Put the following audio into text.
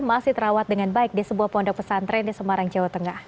masih terawat dengan baik di sebuah pondok pesantren di semarang jawa tengah